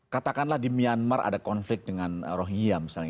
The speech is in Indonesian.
katakanlah di myanmar ada konflik dengan rohiya misalnya